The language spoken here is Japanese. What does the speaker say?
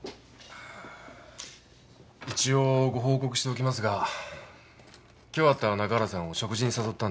一応ご報告しておきますが今日会った中原さんを食事に誘ったんです。